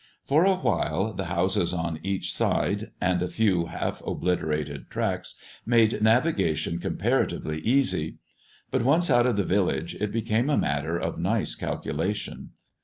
For a while the houses on each side and a few half obliterated tracks made navigation comparatively easy; but once out of the village it became a matter of nice calculation.